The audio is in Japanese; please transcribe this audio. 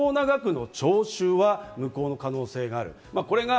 ただ不当な額の徴収は無効の可能性がある。